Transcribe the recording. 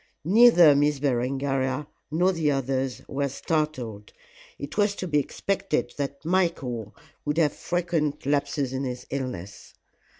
Neither Miss Berengaria nor the others were startled; it was to be expected that Michael would have frequent lapses in his illness.